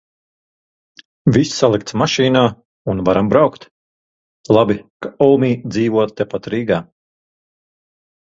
Viss salikts mašīnā, un varam braukt. Labi, ka Omī dzīvo tepat Rīgā.